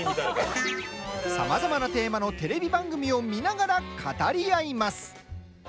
さまざまなテーマのテレビ番組を見ながら語り合います。